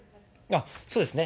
そうですね。